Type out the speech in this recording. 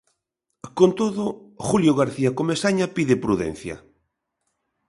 Con todo, Julio García Comesaña pide prudencia.